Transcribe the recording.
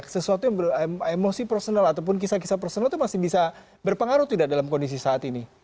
sesuatu yang emosi personal ataupun kisah kisah personal itu masih bisa berpengaruh tidak dalam kondisi saat ini